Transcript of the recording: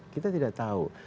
kita tidak tahu